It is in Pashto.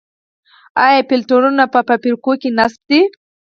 آیا فلټرونه په فابریکو کې نصب دي؟